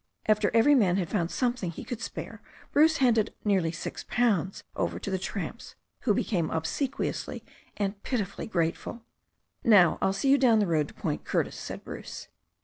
After every man had found something he could spare Bruce handed nearly six pounds over to the tramps, who became obsequiously and pitifully grateful. "Now, I'll see you down the road to Point Curtis," said Bruce.